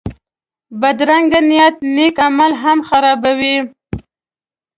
بدرنګه نیت نېک عمل هم خرابوي